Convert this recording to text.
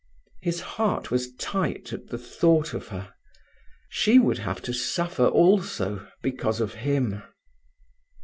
His heart was tight at the thought of her. She would have to suffer also, because of him.